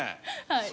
はい。